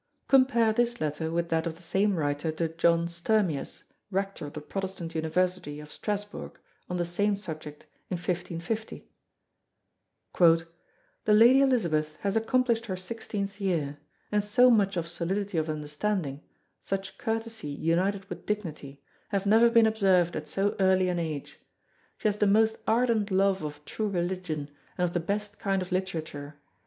Compare this letter with that of the same writer to John Sturmius, Rector of the Protestant University of Strasbourg, on the same subject in 1550: "The Lady Elizabeth has accomplished her sixteenth year; and so much of solidity of understanding, such courtesy united with dignity, have never been observed at so early an age. She has the most ardent love of true religion and of the best kind of literature.